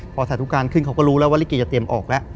พอสาธุการขึ้นเขาก็รู้แล้วว่าลิเกจะเตรียมออกแล้ว